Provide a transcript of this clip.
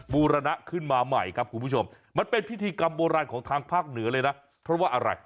บูรณะขึ้นมาใหม่ครับทุกผู้ชมมันเป็นพิธีกรรมโบราณของทางภาคเหนือเลยนะ